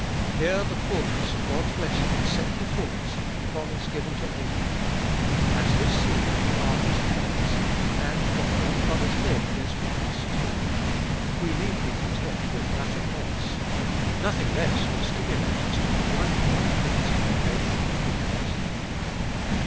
Here the fulness of God's blessing is set before us in the promise given to Abraham : as his seed we are his heirs, and what God promised him is for us too. We need be content with nothing less ; nothing less will stimulate us to a life like his in faith and patience.